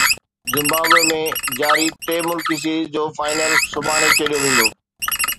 Zimbabwe ۾ جاري ٽي ملڪي سيريز جو فائنل سڀاڻي کيڏيو ويندو